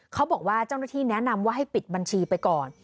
เขาบอกว่าเจ้าหน้าที่แนะนำว่าให้ปิดบัญชีไปก่อน